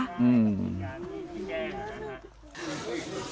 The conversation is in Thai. อืม